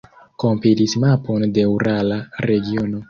Kompilis mapon de urala regiono.